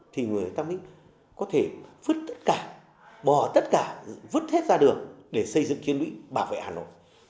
thì người ta có thể vứt tất cả bỏ tất cả vứt hết ra đường để xây dựng chiến lũy bảo vệ hà nội